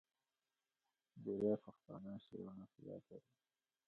ډیری پښتانه شعرونه په یاد لري.